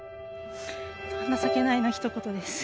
情けないのひと言です。